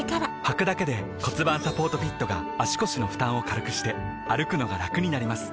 はくだけで骨盤サポートフィットが腰の負担を軽くして歩くのがラクになります